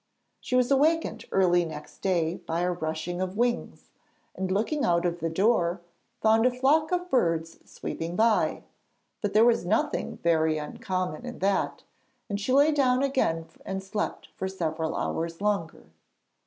She was awakened early next day by a rushing of wings, and, looking out of the door, found a flock of birds sweeping by. But there was nothing very uncommon in that, and she lay down again and slept for several hours longer.